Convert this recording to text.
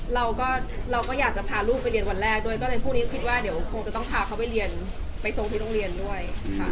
เราก็อยากจะพาลูกไปเรียนวันแรกครึ่งวันนี้ต้องพาเค้าไปโซลที่โรงเรียนด้วย